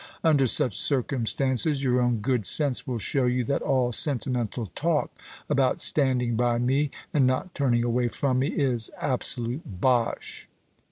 Under such circumstances, your own good sense will show you that all sentimental talk about standing by me, and not turning away from me, is absolute bosh."